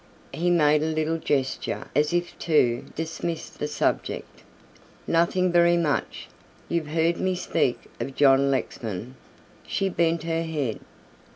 He made a little gesture as if to dismiss the subject. "Nothing very much. You've heard me speak of John Lexman?" She bent her head.